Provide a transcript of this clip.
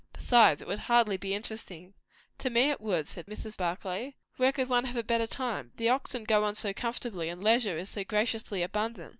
Besides, it would hardly be interesting." "To me it would," said Mrs. Barclay. "Where could one have a better time? The oxen go so comfortably, and leisure is so graciously abundant."